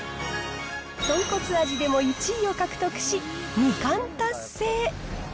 豚骨味でも１位を獲得し、二冠達成。